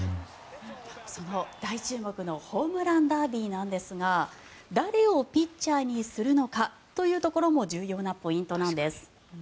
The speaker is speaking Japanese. その大注目のホームランダービーですが誰をピッチャーにするのかというところも重要なポイントなんです。